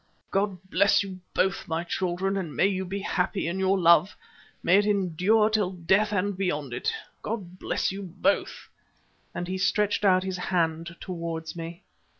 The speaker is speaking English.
God bless you both, my children; may you be happy in your love; may it endure till death and beyond it. God bless you both!" and he stretched out his hand towards me.